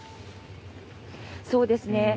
そうですね。